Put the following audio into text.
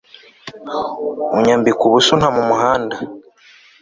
unyambika ubusa unta mu muhanda